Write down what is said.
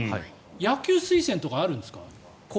野球推薦とかあるんですか慶応。